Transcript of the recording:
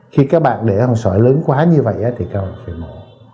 khi các bạn để sỏi lớn quá như vậy thì các bạn phải mổ